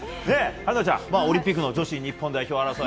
春奈ちゃん、オリンピックの女子日本代表争い。